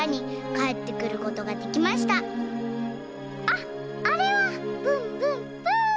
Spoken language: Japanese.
「あっあれはぶんぶんぶん！」。